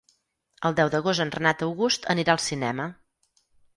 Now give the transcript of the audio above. El deu d'agost en Renat August anirà al cinema.